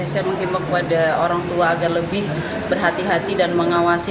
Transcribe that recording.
saya menghimbau kepada orang tua agar lebih berhati hati dan mengawasi